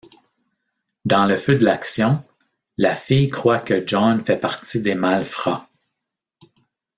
Dans le feu de l'action, la fille croit que John fait partie des malfrats.